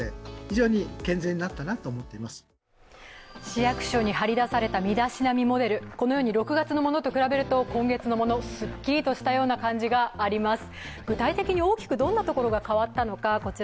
市役所に張りだされた身だしなみモデル、このように６月のものと比べると今月のもの、すっきりとしたような感じがあります。